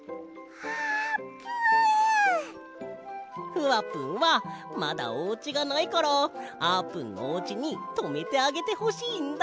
ふわぷんはまだおうちがないからあーぷんのおうちにとめてあげてほしいんだ。